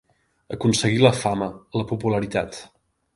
Aconseguir la fama, la popularitat.